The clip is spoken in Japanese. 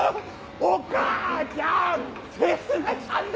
お母ちゃん！